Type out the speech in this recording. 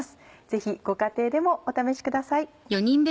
ぜひご家庭でもお試しください。